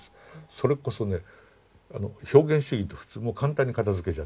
それこそね表現主義って普通もう簡単に片づけちゃって。